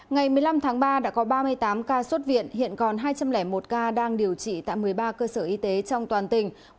ngày một mươi năm tháng ba đã có ba mươi tám ca xuất viện hiện còn hai trăm linh một ca đang điều trị tại một mươi ba cơ sở y tế trong toàn tỉnh